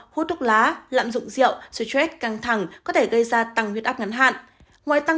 hút thuốc lá lạm dụng rượu stress căng thẳng có thể gây ra tăng huyết áp ngắn hạn ngoài tăng